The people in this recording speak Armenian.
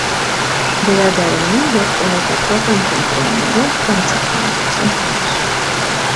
Գրադարանը և տեղեկատվական կենտրոնները բաց են հանրության համար։